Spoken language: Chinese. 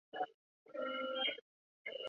颂遐书室的历史年代为清代。